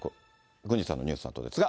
郡司さんのニュースのあとですが。